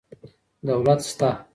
دولت سته.